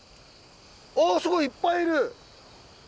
おすごいいっぱいいる！